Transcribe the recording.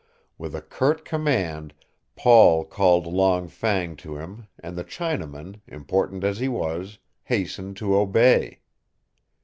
With a curt command Paul called Long Fang to him and the Chinaman, important as he was, hastened to obey.